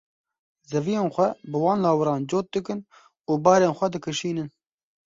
Zeviyên xwe bi wan lawiran cot dikin û barên xwe dikişînin.